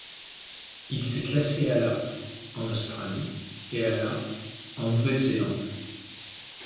Il s'est classé à la en Australie et à la en Nouvelle-Zélande.